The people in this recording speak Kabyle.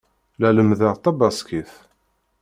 La lemmdeɣ tabaskit.